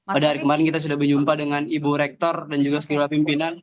pada hari kemarin kita sudah berjumpa dengan ibu rektor dan juga seluruh pimpinan